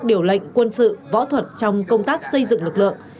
điều lệnh quân sự võ thuật trong công tác xây dựng lực lượng